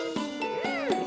うん！